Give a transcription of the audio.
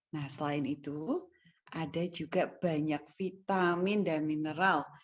nah selain itu ada juga banyak vitamin dan mineral